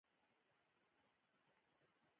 بېعدالته ټولنه ژر ګډوډېږي.